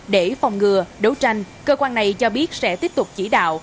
để phòng ngừa đấu tranh cơ quan này cho biết sẽ tiếp tục chỉ đạo